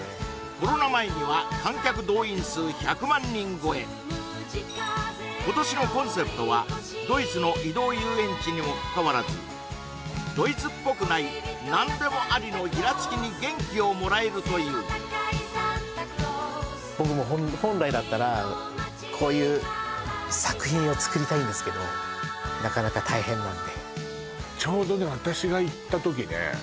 コロナ前には観客動員数１００万人超え今年のコンセプトはドイツの移動遊園地にもかかわらずドイツっぽくない何でもありのギラつきに元気をもらえるという僕も本来だったらこういう作品を作りたいんですけどなかなか大変なんでちょうどね私が行った時ね